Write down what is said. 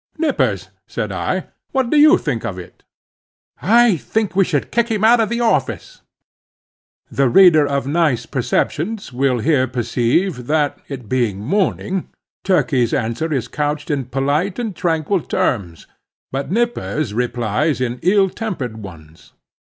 "Nippers," said I, "what do you think of it?" "I think I should kick him out of the office." (The reader of nice perceptions will here perceive that, it being morning, Turkey's answer is couched in polite and tranquil terms, but Nippers replies in ill tempered ones.